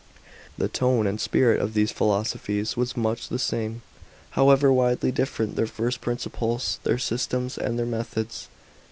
§ 12. The tone and spirit of these philosophies was much the same, however widely different their first principles, their systems and their methods.